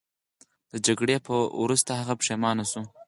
د جګړې وروسته هغه پښیمانه شو.